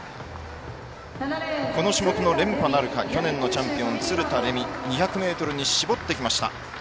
この種目の連覇なるか去年のチャンピオン鶴田玲美２００ｍに絞ってきました。